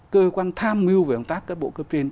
cơ quan tham mưu về công tác các bộ cấp trên